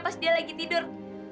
pas dia lagi tidur